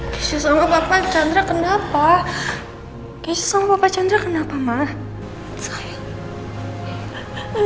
keisyah sama papa chandra kenapa keisyah sama papa chandra kenapa mah sayang